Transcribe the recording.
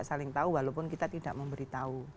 saling tahu walaupun kita tidak memberi tahu